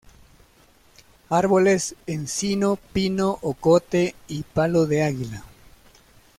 Árboles: encino, pino, ocote y palo de águila.